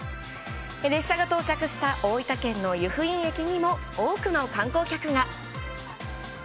列車が到着した大分県の由布院駅にも、多くの観光客が。